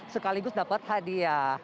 sekaligus dapat hadiah